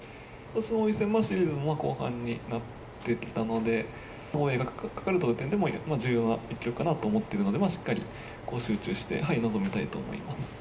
王位戦シリーズも後半になってきたので、防衛がかかるという点でも重要な一局かなと思ってるので、しっかり集中して臨みたいと思います。